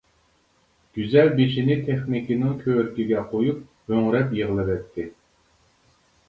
گۈزەل بېشىنى تېخنىكنىڭ كۆرىكىگە قويۇپ ھۆڭرەپ يىغلىۋەتتى.